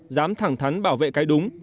dám thẳng thắn bảo vệ cái đúng